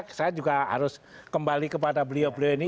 kita harus kembali kepada beliau beliau ini